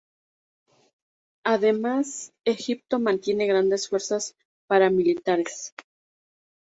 Además, Egipto mantiene grandes fuerzas paramilitares.